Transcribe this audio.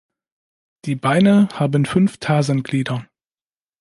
Die Beine haben fünf Tarsenglieder.